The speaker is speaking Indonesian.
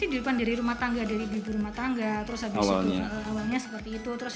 di depan dari rumah tangga dari bibir rumah tangga terus awalnya awalnya seperti itu terus